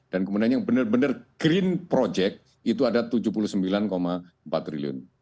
dan kemudian yang benar benar green project itu ada tujuh puluh sembilan empat triliun